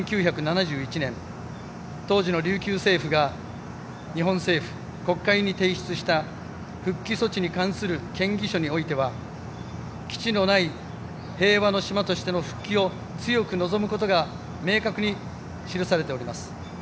１９７１年当時の琉球政府が日本政府、国会に提出した復帰措置に関する建議書においては「基地のない平和の島」としての復帰を強く望むことが明確に記されております。